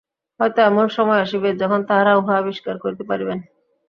হয়তো এমন সময় আসিবে, যখন তাঁহারা উহা আবিষ্কার করিতে পারিবেন।